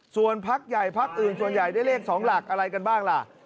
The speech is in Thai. ส่วนพักใหญ่พักอื่นส่วนใหญ่ได้เลข๒หลักอะไรกันบ้างล่ะ